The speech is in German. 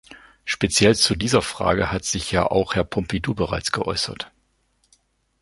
Speziell zu dieser Frage hat sich ja auch Herr Pompidou bereits geäußert.